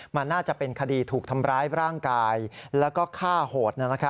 มันน่าจะเป็นคดีถูกทำร้ายร่างกายแล้วก็ฆ่าโหด